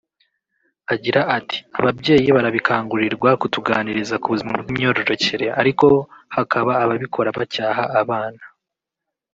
Agira ati “Ababyeyi barabikangurirwa kutuganiriza ku buzima bw’imyororokere ariko hakaba ababikora bacyaha abana